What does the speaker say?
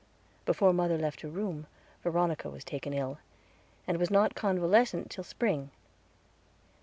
Before mother left her room Veronica was taken ill, and was not convalescent till spring.